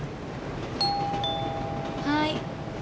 はい。